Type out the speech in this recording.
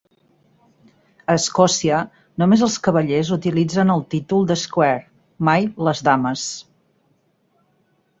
A Escòcia, només els cavallers utilitzen el títol d'Esquire, mai les dames.